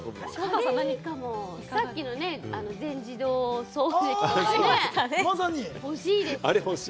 さっきの全自動掃除機とかね、欲しいですよね。